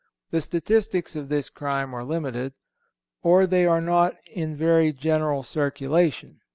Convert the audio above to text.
The statistics of this crime are limited, or they are not in very general circulation.